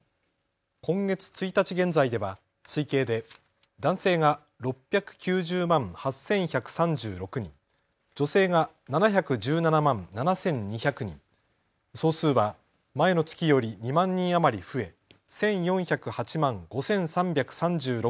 今月１日現在では推計で男性が６９０万８１３６人、女性が７１７万７２００人、総数は前の月より２万人余り増え１４０８万５３３６